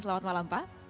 selamat malam pak